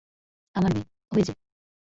আমার মেয়ে, ওই যে।